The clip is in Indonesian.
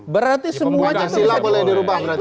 berarti semuanya terbuka